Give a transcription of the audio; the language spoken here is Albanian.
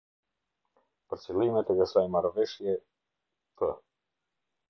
Për qëllimet e kësaj Marrëveshje: p.